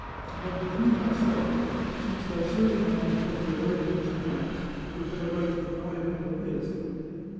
But between ourselves, since that serving man held your life in his hands, you had a right to deprive him of his.